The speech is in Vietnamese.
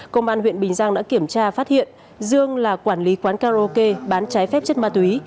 công an huyện bình giang đã kiểm tra phát hiện dương là quản lý quán karaoke bán trái phép chất ma túy